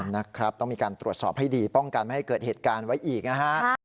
นะครับต้องมีการตรวจสอบให้ดีป้องกันไม่ให้เกิดเหตุการณ์ไว้อีกนะฮะ